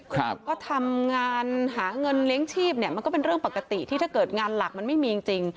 เพราะทำงานหาเงินเลี้ยงชีพเนี่ยมันก็เป็นเรื่องปกติที่ถ้าเกิดงานหลักมันไม่มีจริงจริง